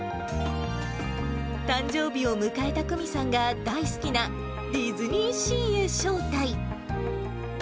誕生日を迎えた久美さんが大好きなディズニーシーへ招待。